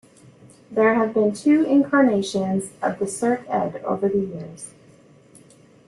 There have been two incarnations of the Cert Ed over the years.